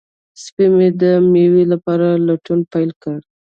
سپی مې د مېوې لپاره لټون پیل کړ.